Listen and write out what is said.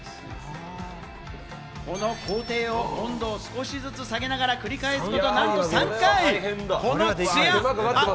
この工程を温度を少しずつ下げながら繰り返す事なんと３回！